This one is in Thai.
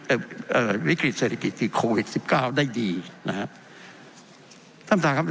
เอ่อเอ่อวิกฤตเศรษฐกิจที่โควิดสิบเก้าได้ดีนะครับท่านพระครับ